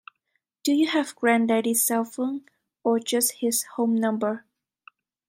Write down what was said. Do you have granddaddy's cell phone or just his home number?